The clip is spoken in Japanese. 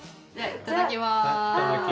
いただきます。